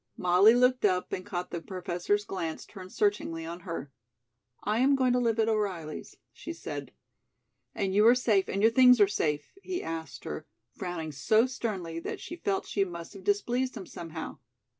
Molly looked up and caught the Professor's glance turned searchingly on her. "I am going to live at O'Reilly's," she said. "And you are safe and your things are safe?" he asked her, frowning so sternly that she felt she must have displeased him somehow.